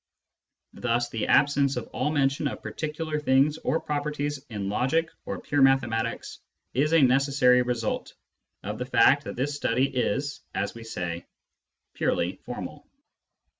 Thus the absence of all mention of particular things or properties in logic or pure mathematics is a necessary result of the fact that this study is, as we say, " purely formal."